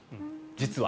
実は。